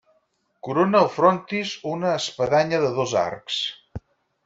Corona el frontis una espadanya de dos arcs.